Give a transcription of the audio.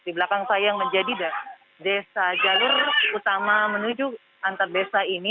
di belakang saya yang menjadi desa jalur utama menuju antar desa ini